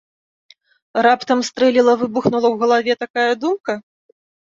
Раптам стрэліла-выбухнула ў галаве такая думка?